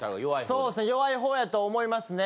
そうですね弱いほうやと思いますね。